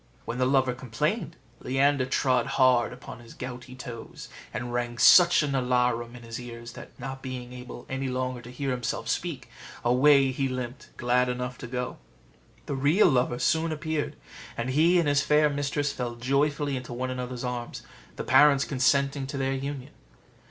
When the lover complained, Leander trod hard upon his gouty toes, and rang such an alarum in his ears, that, not being able any longer to hear himself speak, away he limped, glad enough to go. The real lover soon appeared, and he and his fair mistress fell joyfully into one another's arms, the parents consenting to their union.